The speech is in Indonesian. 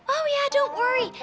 oh ya jangan khawatir